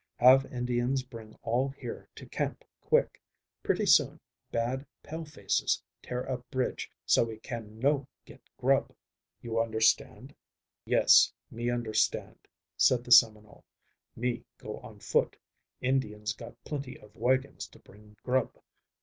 Have Indians bring all here to camp quick. Pretty soon bad pale faces tear up bridge so we can no get grub. You understand?" "Yes, me understand," said the Seminole. "Me go on foot. Indians got plenty of wagons to bring grub.